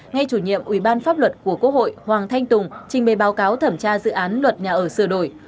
ngay chủ nhiệm ủy ban pháp luật của quốc hội hoàng thanh tùng trình bày báo cáo thẩm tra dự án luật nhà ở sửa đổi